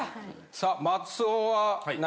さあ松尾は何？